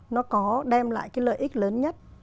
nó có đem lại cái lợi ích lớn nhất